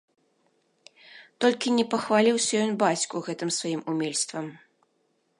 Толькі не пахваліўся ён бацьку гэтым сваім умельствам.